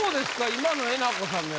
今のえなこさんのやつ。